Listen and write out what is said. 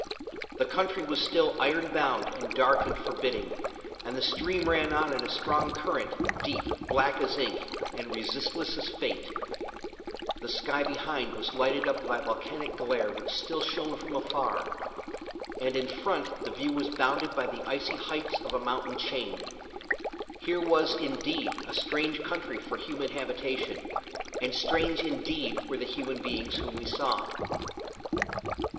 The country was still iron bound and dark and forbidding, and the stream ran on in a strong current, deep, black as ink, and resistless as fate; the sky behind was lighted up by the volcanic glare which still shone from afar; and in front the view was bounded by the icy heights of a mountain chain. Here was, indeed, a strange country for a human habitation; and strange, indeed, were the human beings whom we saw.